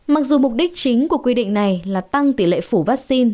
mặc dù mục đích chính của quy định này là tăng tỷ lệ phủ vaccine